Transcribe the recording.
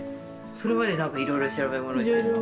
それまで何かいろいろ調べ物してるの？